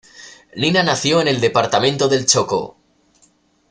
Nina nació en el departamento del Chocó.